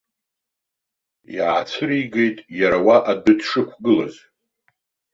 Иаацәыригеит иара уа адәы дшықәгылаз.